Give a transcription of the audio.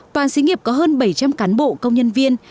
toàn xí nghiệp có hơn bảy trăm linh cán bộ công nhân viên